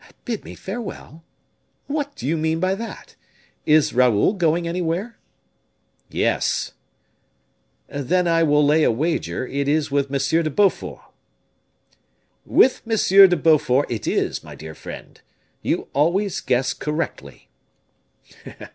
"Bid me farewell! What do you mean by that? Is Raoul going anywhere?" "Yes." "Then I will lay a wager it is with M. de Beaufort." "With M. de Beaufort it is, my dear friend. You always guess correctly."